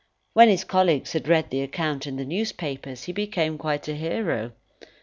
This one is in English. When his colleagues had read the account in the newspapers, he became quite a hero.